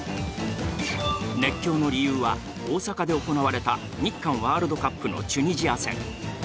熱狂の理由は大阪で行われた日韓ワールドカップのチュニジア戦。